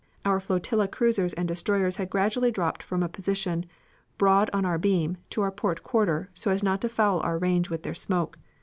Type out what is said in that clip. Our flotilla cruisers and destroyers had gradually dropped from a position, broad on our beam, to our port quarter, so as not to foul our range with their smoke.